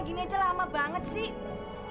masa ngunya gini aja lama banget sih